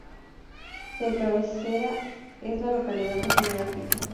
Su cabecera es la localidad de General Pico.